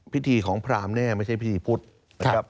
พิธีของพรามแน่ไม่ใช่พิธีพุทธ